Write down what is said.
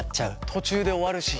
途中で終わるし。